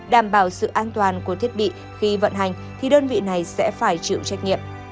đảm bảo sự an toàn của thiết bị khi vận hành thì đơn vị này sẽ phải chịu trách nhiệm